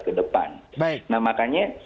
kedepan nah makanya